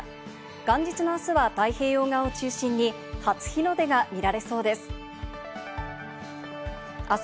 元日のあすは太平洋側を中心に、初日の出が見られそうです。